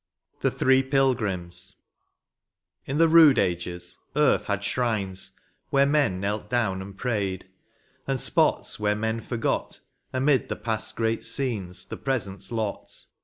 J15 LVII. THE THREE PILGRIMS. In the rude ages, earth had shrines, where men Knelt down and prayed ; and spots where man forgot, Amid the Past's great scenes, the Present's lot.